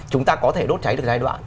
chúng ta có thể đốt cháy được giai đoạn